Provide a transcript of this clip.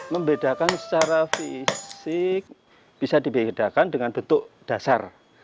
membedakan secara fisik bisa dibedakan dengan bentuk dasar